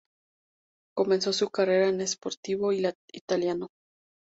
Comenzó su carrera en Sportivo Italiano.